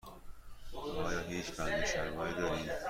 آیا هیچ بند شلواری دارید؟